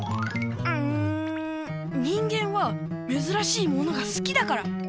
うん人間はめずらしいものがすきだから！